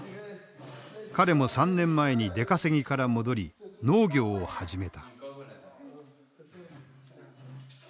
彼も３年前に出稼ぎから戻り農業を始めた。